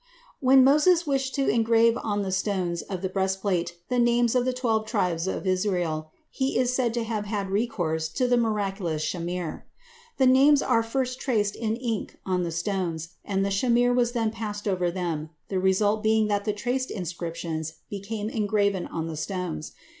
When Moses wished to engrave on the stones of the breastplate the names of the twelve tribes of Israel, he is said to have had recourse to the miraculous shamir. The names were first traced in ink on the stones, and the shamir was then passed over them, the result being that the traced inscriptions became graven on the stones.